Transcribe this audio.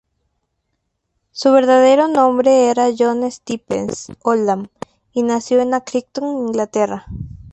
Su verdadero nombre era John Stephens Oldham, y nació en Accrington, Inglaterra.